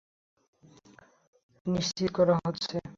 নিশ্চিত করা হচ্ছে।